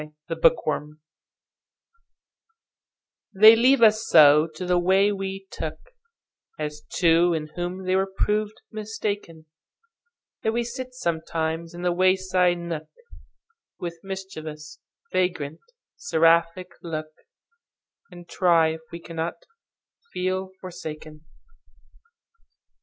In Neglect THEY leave us so to the way we took, As two in whom they were proved mistaken, That we sit sometimes in the wayside nook, With mischievous, vagrant, seraphic look, And try if we cannot feel forsaken.